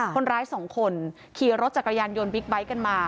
คนร้ายสองคนขี่รถจักรยานยนต์บิ๊กไบท์กันมา